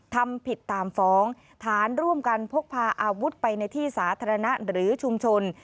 ทำผิดตามฟ้องฐานร่วมกันพกพาอาวุธไปในที่สาธารณะหรือชุมชน